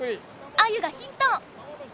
アユがヒット！